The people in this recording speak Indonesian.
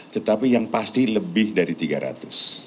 tetapi yang pasti lebih dari tiga ratus